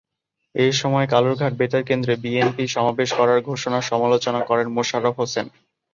এ সময় কালুরঘাট বেতারকেন্দ্রে বিএনপির সমাবেশ করার ঘোষণার সমালোচনা করেন মোশাররফ হোসেন।